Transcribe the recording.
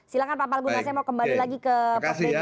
silahkan pak palguna saya mau kembali lagi ke prof beni